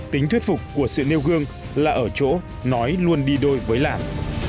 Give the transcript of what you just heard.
tính thuyết phục của sự nêu gương là ở chỗ nói luôn đi đôi với làm